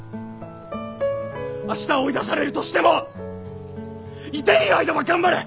明日追い出されるとしてもいていい間は頑張れ！